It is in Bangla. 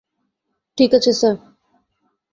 ঠিকাছে, সার।